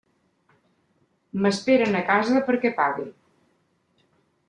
M'esperen a casa perquè pague.